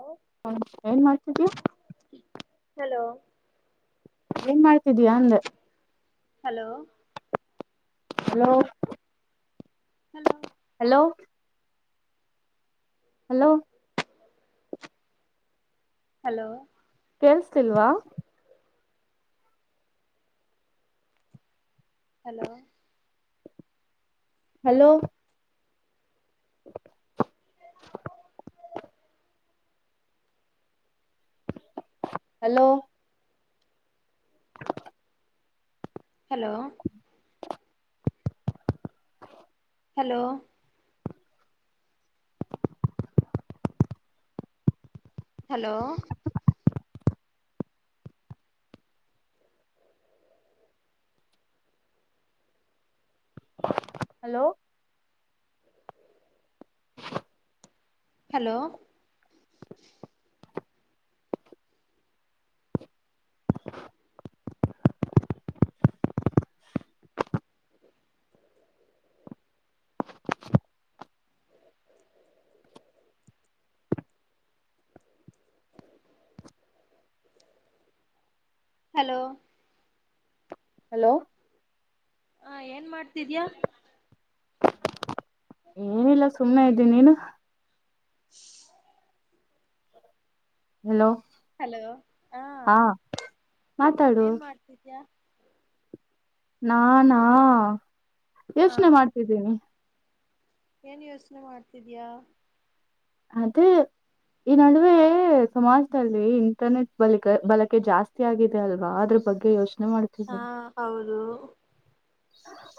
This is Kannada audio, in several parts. ಹಲೋ ಹ ಏನ್ ಮಾಡ್ತಿದ್ಯಾ. ಏನ್ ಮಾಡ್ತಿದೀಯಾ ಅಂದೆ hello hello hello hello hello hello ಕೇಳ್ಸ್ತಿಲ್ವಾ hello hello. Hello. Hello. Hello. Hello hello hello hello hello ಹ ಏನ್ ಮಾಡ್ತಿದ್ಯಾ. ಏನಿಲ್ಲ ಸುಮ್ನೆ ಇದ್ದೀ ನೀನು [inaudible] ಹಲೋ ಹಲೋ ಹಾ ಮಾತಾಡು ಏನ್ ಮಾಡ್ತಿದ್ಯಾ. ನಾನಾ ಹ ಯೋಚನೆ ಮಾಡ್ತಿದ್ದೀನಿ. ಏನ್ ಯೋಚನೆ ಮಾಡ್ತಿದಯಾ. ಅದು. ಈ ನಡುವೆ ಸಮಾಜದಲ್ಲಿ ಇಂಟರ್ನೆಟ್ ಬಳಿಕೆ ಬಳಕೆ ಜಾಸ್ತಿ ಆಗಿದೆ ಅಲ್ವಾ ಆದ್ರ. ಹಾ ಹೌದ.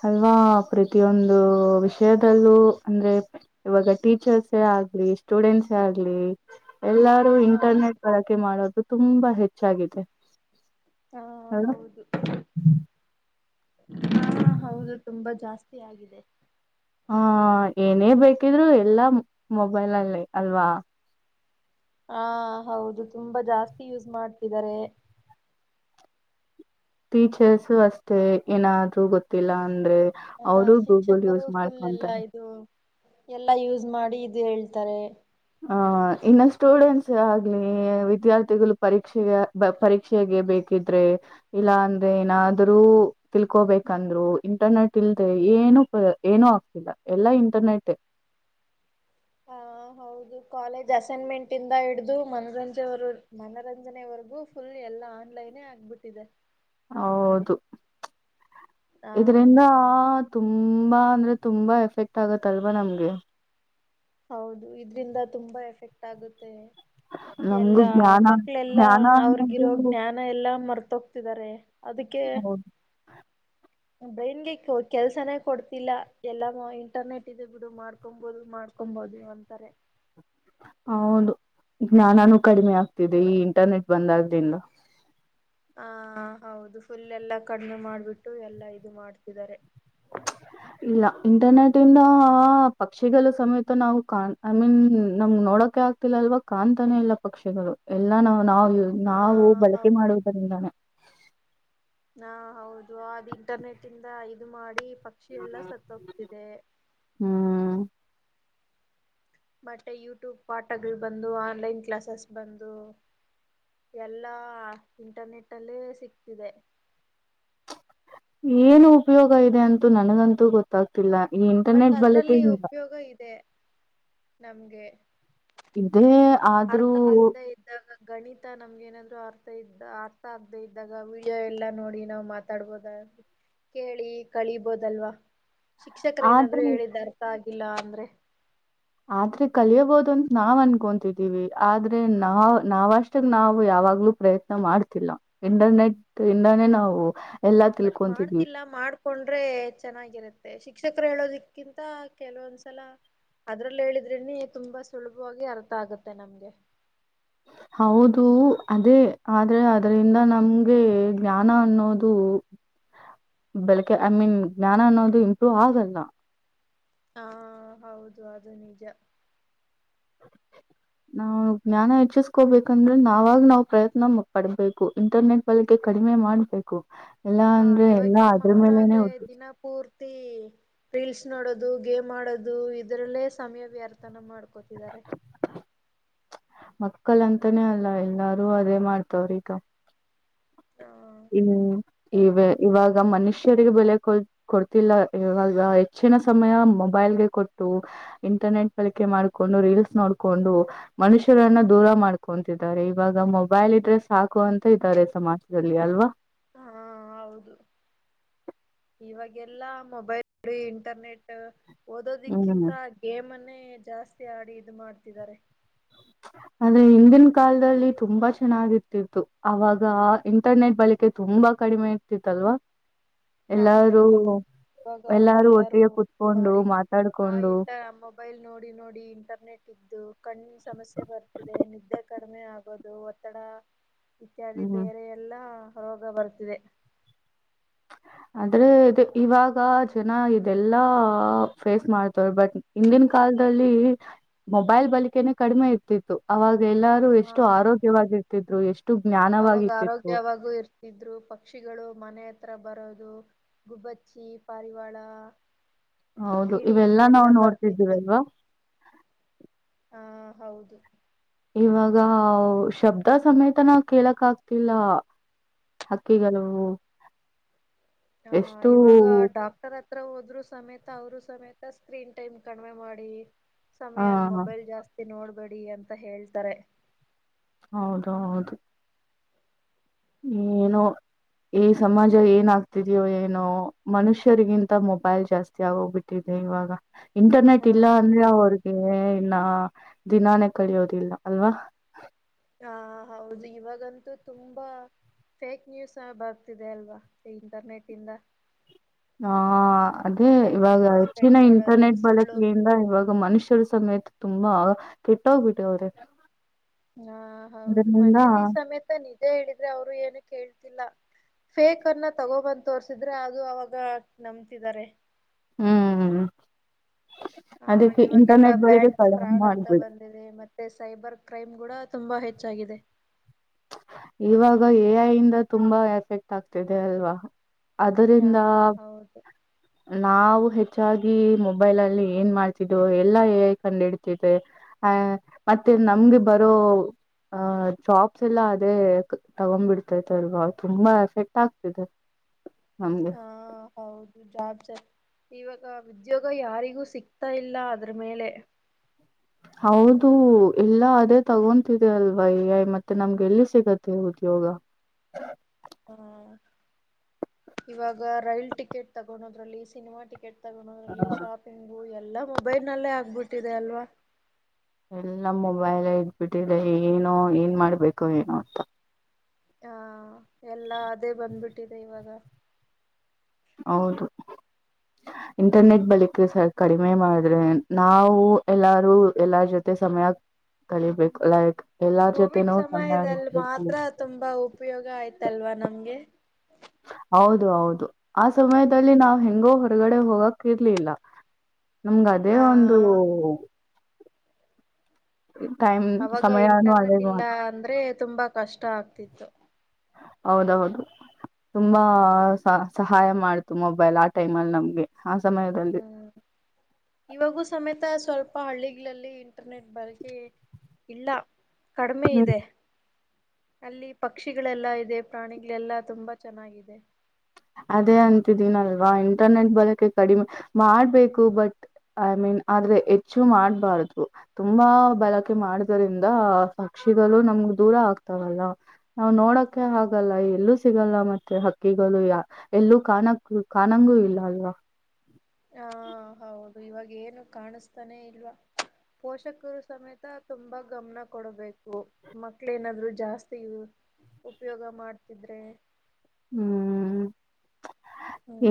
ಅಲ್ವಾ ಪ್ರತಿಯೊಂದು ವಿಷಯದಲ್ಲೂ ಅಂದ್ರೆ ಇವಾಗ ಟೀಚರ್ಸೇ ಸ್ಟೂಡೆಂಟ್ಸ್ ಆಗ್ಲಿ ಎಲ್ಲಾರೂ ಹ ಇಂಟರ್ನೆಟ್ ಬಳಕೆ ಮಾಡೋದು ತುಂಬಾ ಹೆ ಹೆ ಚಾಗಿದೆ ಹಾ. ಹಾ ಹೌದು ತುಂಬಾ ಜಾಸ್ತಿ ಆಗಿದೆ. ಹ ಏನೇ ಬೇಕಿದ್ರು ಎಲ್ಲ ಮೊಬೈಲ ಅಲ್ಲಿ ಅಲ್ವಾ. ಹಾ ಹೌದು ತುಂಬಾ ಜಾಸ್ತಿ ಯೂಸ್ ಮಾಡ್ತಿದ್ದಾರೆ. ಟೀಚರ್ಸ ಅಷ್ಟೇ ಏನಾದ್ರೂ ಗೊತ್ತಿಲ್ಲ ಅಂದ್ರೆ ಹ ಅವರು ಗೂಗಲ್ ಶಿಕ್ಷಕರು ಯೂಸ್ ಫುಲ್ ಎಲ್ಲಾ ಮಾಡ್ಕೊಂತಾರೆ. ಇದು ಎಲ್ಲಾ ಯೂಸ್ ಮಾಡಿ ಇದು ಹೇಳ್ತಾರೆ. ಹ ಇನ್ನು ಸ್ಟೂಡೆಂಟ್ಸ್ ಆಗ್ಲಿ ವಿದ್ಯಾರ್ಥಿಗಳು ಪರೀಕ್ಷೆಗೆ ಪರೀಕ್ಷೆಗೆ ಬೇಕು ಇಲ್ಲಾ ಅಂದ್ರೆ ಏನಾದ್ರರು ತಿಳ್ಕೋಬೇಕಂದ್ರು ಇಂಟರ್ನೆಟ್ ಇಲ್ದೆ ಏ ಏನನು ಏನು ಆಗ್ತಿಲ್ಲ ಎಲ್ಲಾ ಇಂಟರ್ನೆಟ್ ಹಾ. ಹೌದು ಕಾಲೇಜ್ ಅಸೈನ್ಮೆಂಟ್ ಇಂದ ಹಿಡಿದು ಮನರಂಜ ಮನರಂಜನೆವರೆಗೂ ಫುಲ್ ಎಲ್ಲ ಆ--ನೇ ಆಗ್ಬಿಟ್ಟಿದೆ ಹೌದು ಹಾ ಇದರಿಂದ. ತುಂಬಾ ಅಂದ್ರೆ ತುಂಬಾ ಎಫೆಕ್ಟ್ ಆಗತ್ತಲ್ವಾ ನಮ್ಗೆ. ಹೌದು ಇದ್ರಿಂದ ತುಂಬಾ ಎಫೆಕ್ಟ್ ಆಗುತ್ತೆ. ನಮ್ಗೂ ಎಲ್ಲಾ ಜ್ಞಾನ ಮಕ್ಳೆಲ್ಲಾ ಜ್ಞಾನ ಅವ್ರಗಿರೋ ಅನ್ನೋದು ಜ್ಞಾನ ಎಲ್ಲಾ ಮರ್ತ ತೋಗ್ತಿದ್ದಾರೆ ಅದಕ್ಕೆ. ಹೌದು ಕೆಲ್ಸನೇ ಕೊಡ್ತಿಲ್ಲ ಎಲ್ಲ ಇಂಟರ್ನೆಟ್ ಇ ಬಿಡು ಮಾಡ್ಕೊಬೋದು ಮಾಡ್ ಅಂತಾರೆ ಹೌದು ಜ್ಞಾನಾನೂ ಕಡಿಮೆ ಆಗ್ತಿದೆ ಈ ಇಂಟರ್ನೆಟ್ ಬಂದ ಆದ್ರಿಂದ. ಹ ಹೌದು ಫುಲ್ ಎಲ್ಲಾ ಕಡಿಮೆ ಮಾಡ್ಬಿಟ್ಟು ಎಲ್ಲಾ ಇದು ಮಾಡ್ತಿದ್ದಾರೆ. ಇಲ್ಲ ಇಂಟರ್ನೆಟ್ ಇಂದ ಆ ಪಕ್ಷಿಗಳು ಸಮೇತ ನಾವು ಕಾಣ ನಮ್ ನೋಡಕ್ ಆಗ್ತಿಲ್ಲ ಅಲ್ವಾ ಕಾಣ್ತಾನೆ ಇಲ್ಲ ಪಕ್ಷಿಗಳು ಎಲ್ಲಾ ನಾವು ನಾವು ಹಾ ನಾವು ಬಳಕೆ ಹೌದು ಮಾಡುವುದರಿಂದಾನೇ. ಹಾ ಹೌದು ಅದು ಇಂಟರ್ನೆಟ್ ಇಂದ ಇದು ಮಾಡಿ. ಪಕ್ಷಿ ಎಲ್ಲ ಸತ್ತ ಹೋಗ್ತಿದೆ. ಹ್ಮ್ ಮತ್ತೆ ಯೂಟ್ಯೂಬ್ ಪಾಠಗಳು ಬಂದು ಆನ್ಲೈನ್ ಕ್ಲಾಸಸ್ ಬಂದು ಎಲ್ಲಾ ಇಂಟರ್ನೆಟ್ ಅಲ್ಲೇ ಸಿಕ್ತಿದೆ. ಏನು ಉಪಯೋಗ ಇದೆ ಅಂತೂ ನನಗಂತೂ ಗೊತ್ತಾಗ್ತಿಲ್ಲ. ಈ ಬಟ್ ಇಂಟರ್ನೆಟ್ ಅದ್ರಲ್ಲಿ ಬಳಕೆಯಿಂದ ಉಪಯೋಗ ಇದೆ ನಮ್ಗೆ. ಇ ಅರ್ಥ ಆಗ್ತಾ ಇದ್ದಾಗ ಗಣಿತ ನಮ್ಗೆ ಏನಾದ್ರು ಅರ್ಥ ಇದ್ದ ಅರ್ಥ ಆಗದೆ ಇದ್ದಾಗ ಡಿಯೋ ಎಲ್ಲಾ ನೋಡಿ ನಾವು ಮಾತಾಡ್ಬೋದ. ಕೇಳಿ ಕಳೀಬೋದಲ್ವಾ. ಶಿಕ್ಷಕರ ಆದ್ರೆ ಏನಾದ್ರು ಹೇಳಿದ್ದ ಅರ್ಥ ಆಗಿಲ್ಲ ಅಂದ್ರೆ. ಆದ್ರೆ ಕಲಿಯಬೋದು ಅಂತ ನಾವ್ ಅನ್ಕೊತಿದ್ದೀವಿ ಆದ್ರೆ ನಾವ್ ನಾವಷ್ಟಾಗ ನಾವು ಯಾವ. ಯಾವಾಗ್ಲೂ ಪ್ರಯತ್ನ ಮಾಡ್ತಿಲ್ಲ ಇಂಟರ್ನೆಟ್ ಇಂದಾನೇ ನಾವು. ಎಲ್ಲಾ ಬಟ್ ತಿಳ್ಕೊಂತಿದ್ವಿ ಮಾಡ್ತಿಲ್ಲ ಮಾಡ್ಕೊಂಡ್ರೆ ಚೆನ್ನಾಗಿರತ್ತೆ ಶಿಕ್ಷಕರು ಹೇಳೋದಿಕ್ಕಿಂತ ಕೆಲವೊಂದ್ಸಲ ಅದ್ರಲ್ ಹೇಳಿದ್ರೇನೆ ತುಂಬಾ ಸುಲಭವಾಗಿ ಅರ್ಥ ಆಗತ್ತೆ ನಮ್ಗೆ. ಹೌದು ಅದೇ ಆದ್ರೆ ಅದರಿಂದ ನಮ್ಗೆ ಜ್ಞಾನ ಅನ್ನೋದು [inaudible] ಬೆಳಕೆ ಐ ಮೀನ್ ಜ್ಞಾನ ಅನ್ನೋದು ಇಂಪ್ರೂವ್ ಆಗಲ್ಲ. ಹಾ ಹೌದು ಅದು ನಿಜ. [inaudible] ನಾವು ಜ್ಞಾನ ಹೆಚ್ಚಿಸ್ಕೋಬೇಕಂದ್ರೆ ನಾವಾಗ್ ನಾವ್ ಪ್ರಯತ್ನ ಪಡ್ಬೇಕು ಇಂಟರ್ನೆಟ್ ಬಳಕೆ ಕಡಿ ಮೆ ಮಾಡ್ಬೇಕು. ಎಲ್ಲಾ ಹಾ ಅಂದ್ರೆ ಎಲ್ಲಾ ಇವಾಗಿನ್ ಅದ್ರ ಮೇಲೆನೆ ಮಕ್ಳಾದ್ರೆ ದಿನ ಪೂರ್ತಿ ರೀಲ್ಸ್ ನೋಡೋದು ಗೇಮ್ ಆಡೋದು ಇದರಲ್ಲೇ ಸಮಯ ವ್ಯರ್ಥನ ಮಾಡ್ ಕೋತಿದ್ದಾರೆ. ಮಕ್ಕಳಂತನೆ ಅಲ್ಲ ಎಲ್ಲಾರು ಅದೇ ಮಾಡ್ತವ್ರ್ ಈಗ. ಹ ಹ್ಮ್ ಹೌದು ಇವ ಇವಾಗ ಮನುಷ್ ಷರಿಗೆ ಬೆಲೆ ಕೊ ಕೊಡ್ತಿಲ್ಲ ಹೆಚ್ಚಿನ ಸಮಯ ಮೊಬೈಲ್ಗೆ ಕೊಟ್ಟು ಇಂಟ್ ಇಂಟರ್ನಟ್ ಬಳಿಕೆ ಮಾಡ್ಕೊಂಡು ರೀಲ್ಸ್ ನೋಡ್ಕೊಂಡು ಮನುಷ್ಯರನ್ನ ದೂರ ಮಾಡ್ಕೊಂತಿದಾರೆ ಇವಾಗ ಮೊ ಮೊಬೈಲಿದ್ರೆ ಸಾಕು ಅಂತ ಇದ್ದಾರೆ ಸಮಾಜದಲ್ ಲ್ಲಿ ಆಲ್ವಾ. ಹಾ ಹೌದು ಇವಾಗೆಲ್ಲಾ ಮೊಬೈಲ್ ಬರೀ ಇಂಟರ್ನೆಟ್ ಹ್ಮ್ ಓದೋದಿಕ್ಕಿಂತ ಗೇಮುನ್ ನ್ನೆ ಜಾಸ್ತಿ ಆಡಿ ಇದ್ ಮಾಡ್ತಿದ್ದಾರೆ. ಆದ್ರೆ ಹಿಂದಿನ ಕಾಲದಲ್ಲಿ ತುಂಬಾ ಚೆನ್ನಾಗಿರ್ತಿತ್ತು ಆವಾಗ ಇಂಟರ್ನೆಟ್ ಬಳಕೆ ತುಂಬಾ ಕಡಿಮೆ ಇರ್ತಿತ್ತಲ್ವಾ. ಹಾ ಎಲ್ಲಾರೂ ಹೌದು ಇವಾಗ ಎಲ್ಲಾರು ಎಲ್ಲರೂ ಒಟ್ಟಿಗೆ ಇದ್ ಕುೂತ್ಕೊಂಡು ಮಾಡಿ ಮಾತಾಡ್ ಆ ಇಂಟ ಮೊಬೈಲ್ ನೋಡಿ ನೋಡಿ ಇಂಟರ್ನೆಟ್ ಇದ್ದು ಕಣ್ಣಿನ್ ಸಮಸ್ಯೆ ಬರ್ತಿದೆ ನಿದ್ದೆ ಕಡಿಮೆ ಆಗೋದು ಒತ್ತಡ ಇತ್ಯಾದಿ ಹ್ಮ್ ಬೇರೆ ಎಲ್ಲಾ ರೋಗ ಬರ್ತಿದೆ. ಆದ್ರೆ ಇದೆ ಇವಾಗ ಜನ ಇದೆಲ್ಲಾ ಫೇಸ್ ಮಾಡ್ತವ್ರೆ ಬಟ್ ಇಂದಿನ್ ಕಾಲದಲ್ಲಿ ಮೊಬೈಲ್ ಬಳಿಕೆನೆ ಕಡಿಮೆ ಇರ್ತಿತ್ತು ಅವಾಗ್ ಎಲ್ಲಾರು ಆ ಎಷ್ಟು ಆರೋಗ್ಯವಾಗಿರ್ತಿದ್ರು ಎಷ್ ಅವಾಗ ಆರೋಗ್ಯವಾಗೂ ಇರ್ತಿದ್ರು ಪಕ್ಷಿಗಳು ಮನೆ ಹತ್ರ ಬರೋದು ಗುಬ್ಬಚ್ಚಿ ಪಾರಿವಾಳ ಹೌದು ಗಿಳಿ ಇವೆಲ್ಲಾ ನಾವು ನೋಡ್ತಿದ್ದೀವ್ ಬರ್ತಿತ್ತು ಅಲ್ವ. ಹಾ ಹೌದು ಇವಾಗ ಶಬ್ದ ಸಮೇತ ನಾವ ಕೇಳಕ್ ಆಗ್ತಿಲ್ಲ. ಹಕ್ಕಿಗಳೂ ಹ ಎಷ್ಟು ಇವಾಗ ಡಾಕ್ಟರ್ ಹತ್ರ ಹೋದ್ರೂ ಸಮೇತ ಅವ್ರು ಸಮೇತ ಸ್ಕ್ರೀನ್ ಟೈಮ್ ಕಡಿಮೆ ಮಾಡಿ ಹ ಸಮಯನ್ ಮೊಬೈಲ್ ಜಾಸ್ತಿ ನೋಡ್ಬೇಡಿ ಅಂತ ಹೇಳ್ತಾರೆ. ಹೌದ ಹೌದು ಏನೋ ಈ ಸಮಾಜ ಏನ್ ಆಗ್ತಿದ್ಯೋ ಏನೋ ಮನುಷ್ಯರಿಗಿಂತ ಮೊಬೈಲ್ ಜಾಸ್ತಿ ಆಗೋಗ್ಬಿಟ್ಟಿದೆ. ಇವಾಗ ಇಂಟರ್ನೆಟ್ ಹಾ ಇಲ್ಲ ಅಂದ್ರೆ ಹೌದು ಅವ್ರಿಗೆ. ಇನ್ನ ದಿನಾನೇ ಕಳಿಯೋದಿಲ್ಲ ಅಲ್ವ. ಹಾ ಹೌದು ಇವಾಗಂತೂ ತುಂಬಾ ಫೇಕ್ ನ್ಯೂಸ್ ಬರ್ತಿದೆ ಅಲ್ವಾ ಇಂಟರ್ನೆಟ್ ಇಂದ ಹ ಅದೇ ಫೇಕ್ ಇವಾಗ ನ್ಯೂಸ್ ಸ್ಪ್ರೆಡ್ ಹೆಚ್ಚಿನ ಮಾಡೋದು ಇಂಟರ್ನೆಟ್ ಸುಳ್ಳು ಬಳಕೆಯಿಂದ ಇವಾಗ ಮನುಷ್ಯರು ಸಮೇತ ತುಂಬಾ ಕೆಟ್ಟೋಗ್ಬಿಟ್ಟು ಅವ್ರೆ. ಹಾ ಹೌದು ಮನೇಲಿ ಸಮೇತ ನಿಜ ಹೇಳಿದ್ರೆ ಅವ್ರು ಏನು ಕೇಳ್ತಿಲ್ಲ. ಫೇಕ್ ಅನ್ನ ತಗೋಬಂದ್ ತೋರ್ಸಿದ್ರೆ ಅದು ಅವಾಗ ನಂಬ್ತಿದಾರೆ. ಹ್ಮ್ ಹ ಅದಕ್ಕೆ ಇವಾಗೆಲ್ಲ ಇಂಟರ್ನೆಟ್ ಬಳಿಗೆ ಬ್ಯಾಂಕ್ ಕಡಿಮೆ ಫ್ರಾಡ್ ಅಂತ ಮಾಡ್ಬಿಡು ಬಂದಿದೆ ಮತ್ತೆ ಸೈಬರ್ ಕ್ರೈಮ್ ಕೂಡ ತುಂಬಾ ಹೆಚ್ಚಾಗಿದೆ. ಇವಾಗ -ಎ- ಐಯಂದ ತುಂಬಾ ಎಫೆಕ್ಟ್ ಆಗ್ತಿದೆ ಅಲ್ವಾ. ಹಾ ಅದರಿಂದ ಹೌದು ನಾವು ಹೆಚ್ಚ. ಹೆಚ್ಚಾಗಿ ಮೊಬೈಲ್ ಅಲ್ಲಿ ಏನ್ ಮಾಡ್ತಿದೋ ಎಲ್ಲಾ- ಎ -ಕಂಡ್ ಹಡ್ತಿದೆ- ಅ- ಮತ್ತೇ ನಮ್ಗೆ ಬರೂ ಚಾಪ್. ಎಲ್ಲಾ ಅದೇ ತಗೊಬಿಡ್ತೈತಲ್ವಾ ತುಂಬಾ ಎಫೆಕ್ಟ್ ಆಗ್ತಿದೆ. ನಮ್ಗೆ ಹಾ -ಹೌದು- ಜಾ ಇವಾಗ ಉದ್ಯೋಗ ಯಾರಿಗೂ ಸಿಕ್ತಾ ಇಲ್ಲ ಅದ್ರ ಮೇಲೆ. ಹೌದು ಎಲ್ಲ ಅದೇ ತಗೊಂತಿದೆ ಅಲ್ವಾಯ್ಯ ಮತ್ತೆ ನಮ್ಗೆ ಎಲ್ಲಿ ಸಿಗತ್ತೆ ಉದ್ಯೋಗ. ಹ್ಮ- ಇವಾಗ ರೈಲ್ ಟಿಕೆಟ್ ತಗಳದ್ರಲ್ಲಿ ಸಿನಿಮಾ ಟಿಕೆಟ್. ಗೋದ್ರಲ್ಲಿ ಶಾಪಿಂಗ ಎಲ್ಲಾ ಮೊಬೈಲ್ ನಲ್ಲೇ ಆಗ್ಬಿಟ್ಟಿದೆ ಅಲ್ವಾ. ಎಲ್ಲ ಮೊಬೈಲ್ ಇಟ್ಬಿಟ್ಟಿದೆ ಏನೋ ಏನ್ ಮಾಡ್ಬೇಕೋ ಏನೋ ಅಂತ. ಹಾ- ಎಲ್ಲಾ ಅದೇ ಬಂದ್ಬಿಟ್ಟಿದೆ ಇವಾಗ ಹೌದು ಹ ಇಂಟರ್ನೆಟ್ ಬಳಿಕ ಸ ಕಡಿಮೆ ಮಾಡ್ರೆ ನಾವು ಎಲ್ಲಾರು ಎಲ್ಲಾರ ಜೊತೆ ಸಮಯ. ಕಲಿಬೇಕು ಲೈಕ್ ಎಲ್ಲಾರ್ ಕೋವಿಡ್ ಜೊತೆನೂ ಚೆನ್ನಾಗಿ ಸಮಯದಲ್ಲಿ ಇರ್ಬೇಕು ಮಾತ್ರ ತುಂಬಾ ಉಪಯೋಗ ಆಯ್ತಲ್ವಾ ನಮ್ಗೆ. ಹೌದು ಹೌದು- ಆ- ಸಮಯದಲ್ಲಿ ನಾವ್ ಹೆಂಗೋ ಹೊರಗಡೆ ಹೋಗಕ್ ಇರ್ಲಿಲ್ಲ ನಮ್ಗ ಅದೇ ಒಂದು. ಹ ಟೈಮ್ ಅವಾಗ ಸಮಯಾನು ಅದೇ ಇಂಟರ್ನೆಟ್ ಇಲ್ಲ ಮಾಡ್- ಅಂದ್ರೆ ತುಂಬಾ ಕಷ್ಟ ಆಗ್ತಿತ್ತು. ಹೌದೌದು ತುಂಬಾ ಸಹಾಯ ಮಾಡ್ತು ಮೊಬೈಲ್ -ಆ -ಟೈಮ್ ಅಲ್ಲಿ ನಮ್ಗೆ. ಆ ಸಮಯದಲ್ಲಿ ಹ್ಮ್- ಇವಾಗೂ ಸಮೇತ ಸ್ವಲ್ಪ. ಅಪ್ಪ ಹಳ್ಳಿಗಳಲ್ಲಿ ಇಂಟರ್ನೆಟ್ ಬಳಕೆ ಇಲ್ಲ ಕಡಿಮೆ ಹ್ಮ್ ಇದೆ. ಅಲ್ಲಿ ಪಕ್ಷಿಗಳೆಲ್ಲಾ ಇದೆ ಪ್ರಾಣಿಗಳೆಲ್ಲಾ ತುಂಬಾ ಚೆನ್ನಾಗಿದೆ. ಅದೇ ಅಂತಿದ್ದೀನಲ್ವಾ ಇಂಟರ್ನೆಟ್ ಬಳಕೆ ಕಡಿಮೆ ಮಾಡ್ಬೇಕು ಬಟ್- ಐ- ಮೀನ್. ಆದ್ರೆ ಹೆಚ್ಚು ಮಾಡಬಾರ್ದು ತುಂಬಾ ಬಳಕೆ ಮಾಡುದ್ರಂದ ಪಕ್ಷಿಗಳು ನಮ. ದೂರ ಆಗ್ತಾವಲ್ಲ ನಾವು ನೋಡಕ ಆಗಲ್ಲ ಎಲ್ಲೂ ಸಿಗಲ್ಲ ಮತ್ತೆ ಹಕ್ಕಿಗಳು ಯ. ಎಲ್ಲೂ ಕಾಣಕ್ಕ ಕಾಣಂಗೂ ಇಲ್ಲ ಅಲ್ವಾ. ಹಾ- ಹೌದು ಇವಾಗ ಏನು ಕಾಣಿಸ್ತಾನೆ ಇಲ್ವಾ. ಪೋಷಕರು ಸಮೇತ ತುಂಬಾ ಗಮನ ಕೊಡಬೇಕು ಮಕ್ಕಳುನಾದ್ರು ಜಾಸ್ತಿ. ಉಪಯೋಗ ಮಾಡ್ತಿದ್ರೆ. ಹ್ಮ್-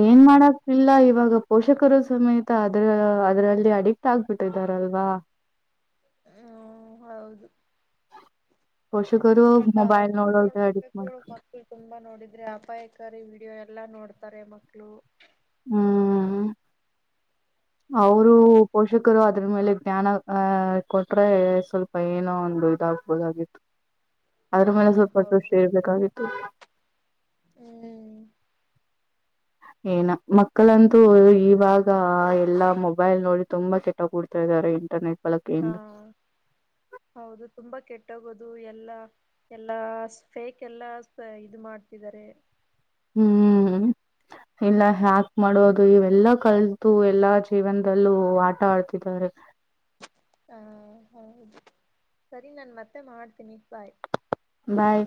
ಏನ್ ಮಾಡಕ್ತಿಲ್ಲ ಇವಾಗ. ಪೋಷಕರು ಸಮೇತ ಅದ್ರ ಅದರಲ್ಲಿ ಅಡಿಕ್ಟ್ ಆಗ್ಬಿಟ್ಟಿದಾರಲ್ವಾ. ಹ್ಮ- ಹೌದು ಪೋಷಕರು ಬಟ್ ಮೊಬೈಲ್ ಅವರು ನೋಡೋದು ಅಡಿಕ್ಟ್ ನೋಡ್ಕೊಬೇಕು ಮಾಡ್ ಮಕ್ಳು ತುಂಬಾ ನೋಡಿದ್ರೆ ಅಪಾಯ. ಸರಿ ವಿಡಿಯೋ ಎಲ್ಲಾ ನೋಡ್ತಾರೆ ಮಕ್ಳು ಹ್ಮ್ ಹಾ ಅವರು ಪೋಷಕರು ಅ ಅದ್ರ ಮೇಲೆ ಜ್ಞಾನ ಅಹ ಕೊಟ್ರೆ ಸ್ವಲ್ಪ ಏನೋ ಒಂದು ಇದಾಗಬೋುದಾಗಿತ್ತು ಹಾ ಅದ್ರ ಮೇಲೆ ಸ್ವಲ್ಪ ಹೌದು ದೃಷ್ಟಿ ಇರ್ಬೇಕಾಗಿತ್ತು. ಹ್ಮ್ ಏನ ಮಕ್ಕಳಂತೂ ಇವಾಗ ಎಲ್ಲಾ ಮೊಬೈಲ್ ನೋಡಿ ತುಂಬಾ ಕೆಟ್ಟ ಕೂಡ್ತವಿ. ಇದಾರೆ ಇಂಟರ್ನೆಟ್. ಹಾ ಬಳಕೆಯಿಂದ -ಹೌದು ತುಂಬಾ ಕೆಟ್ಟ. ಟ್ಟೋಗೋದು ಎಲ್ಲಾ ಎಲ್ಲಾ ಫೇಕ್ ಎಲ್ಲಾ ಇದು ಮಾಡ್ತಿದ್ದಾರೆ. ಹ್ಮ್ ಇಲ್ಲ ಯಾಕ್ ಮಾಡೋದು ಇವೆಲ್ಲಾ ಕಲಿತು ಎಲ್ಲಾ ಜೀವನದಲ್ಲೂ ಆಟ ಆಡ್ತಿದ್ದಾರೆ. ಹಾ- ಹೌದು ಸರಿ ನನ್ ಮತ್ತೆ ಮಾಡ್ತೀನಿ ಬಾಯ್. ಬಾಯ್